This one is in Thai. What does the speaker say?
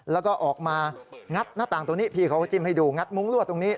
แล้วก็ออกมางัดหน้าต่างตรงนี้พี่เขาจิ้มให้ดูงัดมุ้งลวดตรงนี้